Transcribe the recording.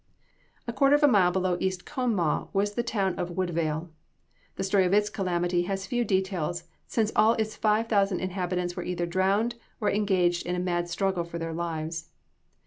A quarter of a mile below East Conemaugh was the town of Woodvale. The story of its calamity has few details, since all its five thousand inhabitants were either drowning or engaged in a mad struggle for their lives.